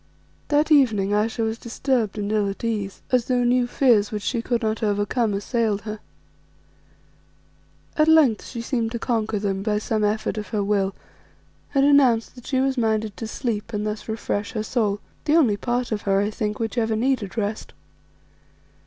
That evening Ayesha was disturbed and ill at ease, as though new fears which she could not overcome assailed her. At length she seemed to conquer them by some effort of her will and announced that she was minded to sleep and thus refresh her soul; the only part of her, I think, which ever needed rest.